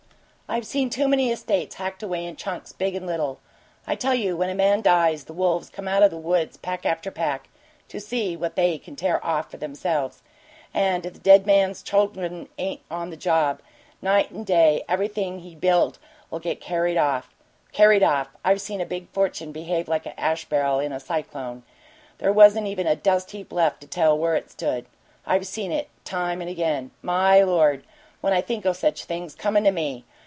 I've seen too many estates hacked away in chunks, big and little. I tell you when a man dies the wolves come out o' the woods, pack after pack, to see what they can tear off for themselves; and if that dead man's chuldern ain't on the job, night and day, everything he built'll get carried off. Carried off? I've seen a big fortune behave like an ash barrel in a cyclone there wasn't even a dust heap left to tell where it stood! I've seen it, time and again. My Lord! when I think o' such things comin' to ME!